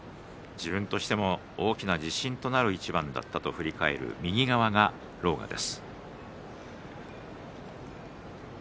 自分としても大きな自信となる一番だったという狼雅です。